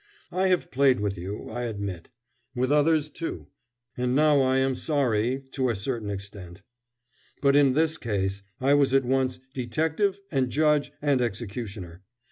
I have played with you, I admit with others, too, and now I am sorry to a certain extent. But in this case, I was at once detective, and judge, and executioner.